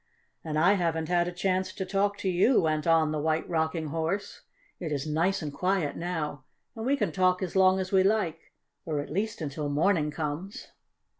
"And I haven't had a chance to talk to you," went on the White Rocking Horse. "It is nice and quiet, now, and we can talk as long as we like; or at least until morning comes."